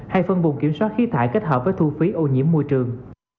hay phân vùng kiểm soát khí thải kết hợp với thu phí ô nhiễm môi trường